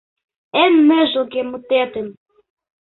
Эн ныжылге мутетым